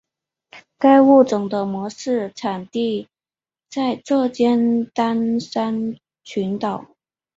该物种的模式产地在浙江舟山群岛。